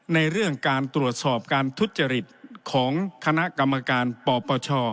ในเรื่องการตรวจสอบการทุจริตของคณะกรรมการปปช